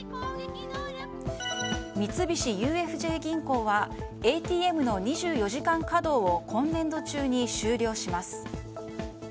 三菱ＵＦＪ銀行はＡＴＭの２４時間稼働を今年度中に終了します。